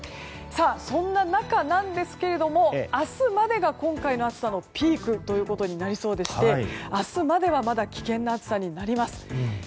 そんな中ですが、明日までが今回の暑さのピークとなりそうで明日まではまだ危険な暑さになります。